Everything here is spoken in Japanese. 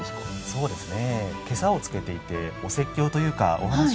そうですね。